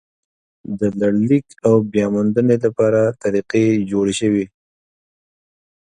د لړلیک او بیا موندنې لپاره طریقې جوړې شوې.